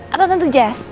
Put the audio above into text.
atau tentu jess